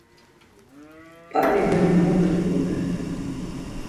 P̌at̆i nena mot utzumer.